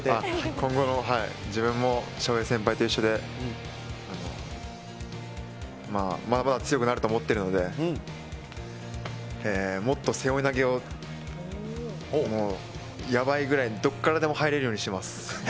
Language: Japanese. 今後の、自分も将平先輩と一緒でまだまだ強くなると思ってるので、もっと背負い投げを、やばいぐらいにどっからでも入れるようにしてます。